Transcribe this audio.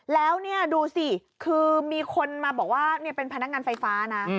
แล้วนี่ดูสิคือมีคนมาบอกว่าเป็นพนักงานไฟฟ้านะ